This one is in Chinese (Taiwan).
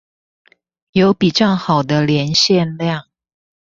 有比較好的連線量